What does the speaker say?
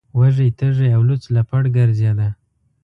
وږی تږی او لوڅ لپړ ګرځیده.